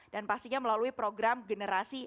dan pastinya melalui program generasi